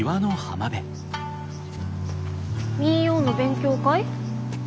民謡の勉強会？